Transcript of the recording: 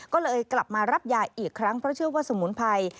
ก็เลยกลับมารับยายอีกครั้งเพราะเชื่อว่าสมุนไพร